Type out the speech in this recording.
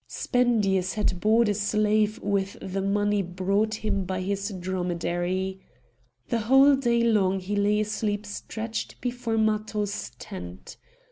Spendius had bought a slave with the money brought him by his dromedary. The whole day long he lay asleep stretched before Matho's tent.